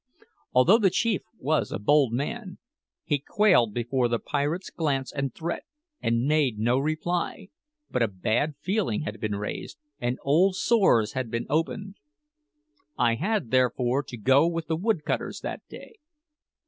Although the chief was a bold man, he quailed before the pirate's glance and threat, and made no reply; but a bad feeling had been raised, and old sores had been opened. I had, therefore, to go with the woodcutters that day.